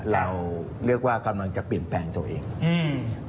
เราเรียกว่ากำลังจะเปลี่ยนแปลงตัวเองอืม